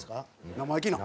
生意気なん？